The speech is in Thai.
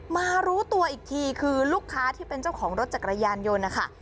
มารู้ตัวอีกทีคือลูกค้าที่เป็นเจ้าของรถจักรยานยนต์นะคะ